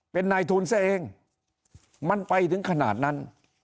เป็นนายทุนซะเองมันไปถึงขนาดนั้น